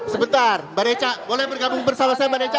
sebentar mbak reca boleh bergabung bersama saya mbak reca